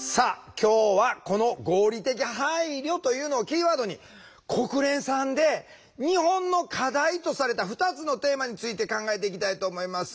今日はこの「合理的配慮」というのをキーワードに国連さんで日本の課題とされた２つのテーマについて考えていきたいと思います。